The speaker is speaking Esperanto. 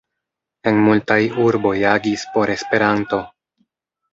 En multaj urboj agis por Esperanto.